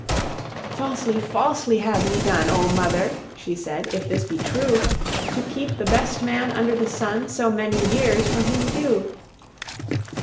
"Falsely, falsely have ye done, O mother," she said, "if this be true, To keep the best man under the sun So many years from his due."